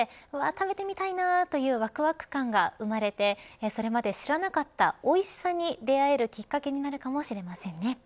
食べてみたいなというわくわく感が生まれてそれまで知らなかったおいしさに出会えるきっかけになるかもしれませんね。